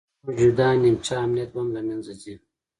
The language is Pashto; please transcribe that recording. موجوده نیمچه امنیت هم له منځه ځي